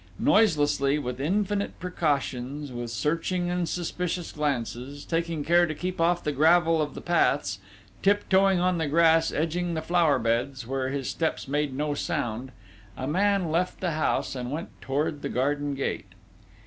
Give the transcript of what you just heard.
Noiselessly, with infinite precautions, with searching and suspicious glances, taking care to keep off the gravel of the paths, tip toeing on the grass edging the flower beds, where his steps made no sound, a man left the house and went towards the garden gate.